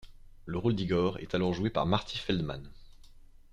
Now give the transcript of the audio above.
Le rôle d'Igor est alors joué par Marty Feldman.